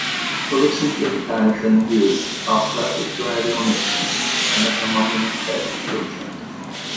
Other simplifications used are perfect radial mixing and a homogeneous bed structure.